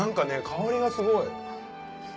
香りがすごい。